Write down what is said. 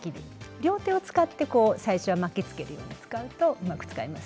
両手を使って最初は巻きつけていくとうまく使えます。